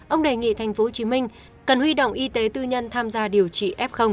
ông đề nghị tp hcm cần huy động y tế tư nhân tham gia điều trị f